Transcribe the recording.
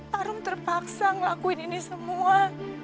harum terpaksa ngelakuin ini semua